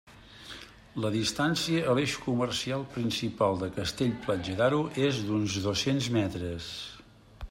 La distància a l'eix comercial principal de Castell-Platja d'Aro és d'uns dos-cents metres.